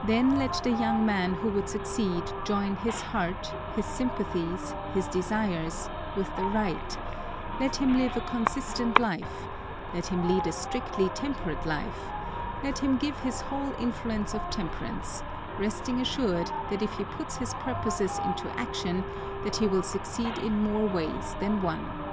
Then let the young man who would succeed join his heart, his sympathies, his desires, with the right; let him live a consistent life; let him lead a strictly temperate life; let him give his whole influence to temperance, resting assured that if he puts his purposes into action that he will succeed in more ways than one.